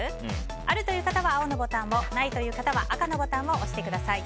あるという方は青のボタンをないという方は赤のボタンを押してください。